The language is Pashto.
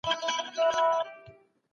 صمیمي اړیکې د لوبو او ورزش له لارې جوړېږي.